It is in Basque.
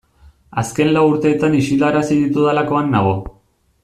Azken lau urteetan isilarazi ditudalakoan nago.